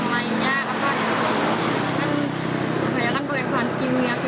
kayaknya kan pake bahan kimia kina gitu